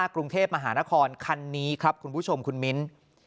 กรุงเทพมหานครคันนี้ครับคุณผู้ชมคุณมิ้น